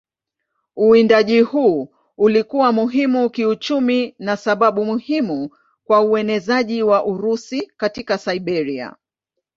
Uwindaji huu ulikuwa muhimu kiuchumi na sababu muhimu kwa uenezaji wa Urusi katika Siberia.